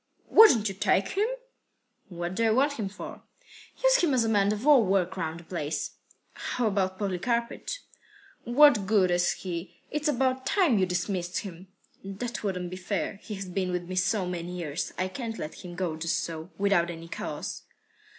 "Wouldn't you take him?" "What do I want him for?" "Use him as man of all work round the place." "How about Polikarpych?" "What good is he? It's about time you dismissed him." "That wouldn't be fair. He has been with me so many years. I can't let him go just so, without any cause."